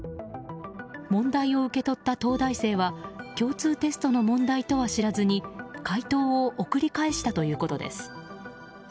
問題を受け取った東大生は共通テストの問題とは知らずに解答を送り返したということです。